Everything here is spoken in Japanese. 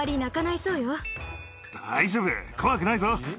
大丈夫、怖くないぞ。